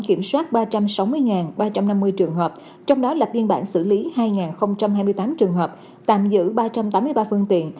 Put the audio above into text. kiểm soát ba trăm sáu mươi ba trăm năm mươi trường hợp trong đó lập biên bản xử lý hai hai mươi tám trường hợp tạm giữ ba trăm tám mươi ba phương tiện